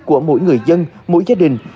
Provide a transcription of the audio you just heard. của mỗi người dân mỗi gia đình